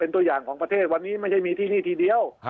ตัวอย่างของประเทศวันนี้ไม่ใช่มีที่นี่ทีเดียว